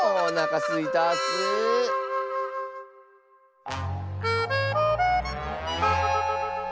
おなかすいたッス。